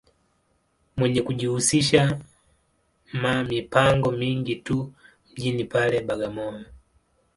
Mwenye kujihusisha ma mipango mingi tu mjini pale, Bagamoyo.